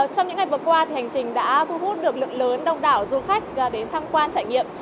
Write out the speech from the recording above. trong những ngày vừa qua hành trình đã thu hút được lượng lớn đông đảo du khách đến tham quan trải nghiệm